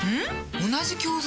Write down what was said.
同じ教材？